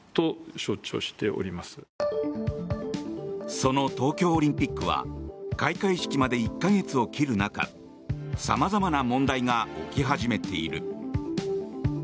その東京オリンピックは開会式まで１か月を切る中様々な問題が起き始めている。